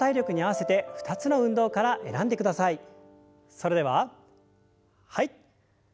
それでははい。